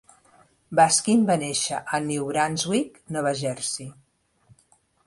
Baskin va néixer a New Brunswick, Nova Jersey.